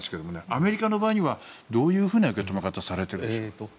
アメリカの場合にはどういうふうな受け止め方をされているんでしょうか。